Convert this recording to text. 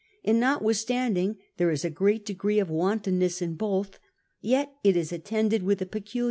and notwithstanding thei'e is a great degree of Avantonness in both, yet it is attended with a peciili.